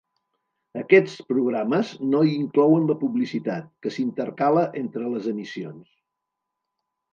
Aquests programes no inclouen la publicitat, que s'intercala entre les emissions.